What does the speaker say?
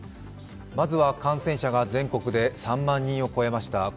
まずは感染者が全国で３万人を越えました。